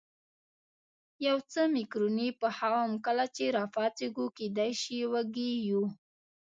یو څه مکروني پخوم، کله چې را پاڅېږو کېدای شي وږي یو.